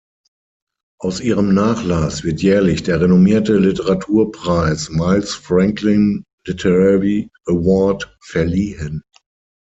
Aus Ihrem Nachlass wird jährlich der renommierte Literaturpreis "Miles Franklin Literary Award" verliehen.